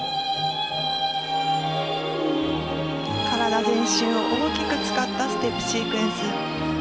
体全身を大きく使ったステップシークエンス。